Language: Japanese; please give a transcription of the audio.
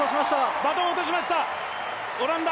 バトンを落としました、オランダ。